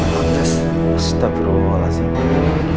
masih tak berulang sih